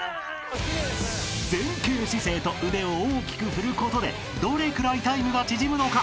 ［前傾姿勢と腕を大きく振ることでどれくらいタイムが縮むのか］